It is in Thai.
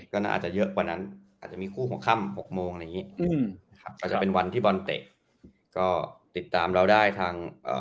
ก็น่าจะเยอะกว่านั้นอาจจะมีคู่หัวค่ำ๖โมงนี้อาจจะเป็นวันที่บอลเตะก็ติดตามเราได้ทาง